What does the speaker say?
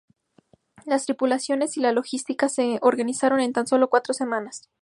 Las tripulaciones y la logística se organizaron en tan solo cuatro semanas.